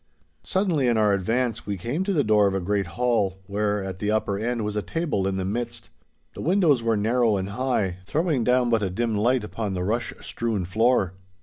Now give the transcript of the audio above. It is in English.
Suddenly, in our advance, we came to the door of a great hall, where, at the upper end, was a table in the midst. The windows were narrow and high, throwing down but a dim light upon the rush strewn floor.